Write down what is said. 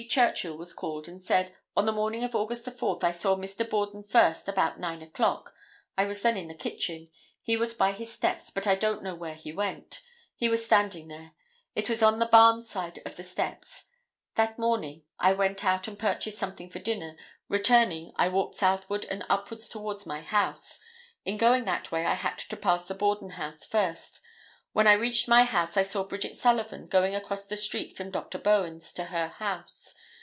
Churchill was called and said: "On the morning of Aug. 4, I saw Mr. Borden first about nine o'clock; I was then in the kitchen; he was by his steps but don't know where he went; he was standing there; it was on the barn side of the steps; that morning I went out and purchased something for dinner; returning I walked southward and upwards towards my house; in going that way I had to pass the Borden house first; when I reached my house I saw Bridget Sullivan going across the street from Dr. Bowen's to her house.